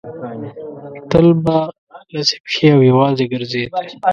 تل به لڅې پښې او یوازې ګرځېد.